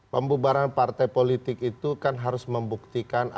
pak prabowo lanjutkan